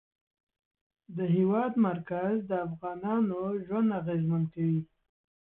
د هېواد مرکز د افغانانو ژوند اغېزمن کوي.